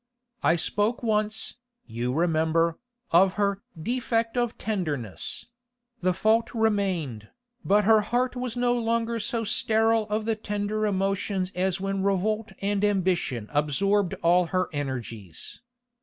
I spoke once, you remember, of her 'defect of tenderness;' the fault remained, but her heart was no longer so sterile of the tender emotions as when revolt and ambition absorbed all her energies.